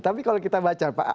tapi kalau kita baca pak